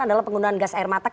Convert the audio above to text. adalah penggunaan gas air mata